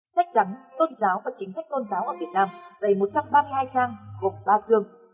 sách trắng tôn giáo và chính sách tôn giáo ở việt nam dày một trăm ba mươi hai trang gồm ba chương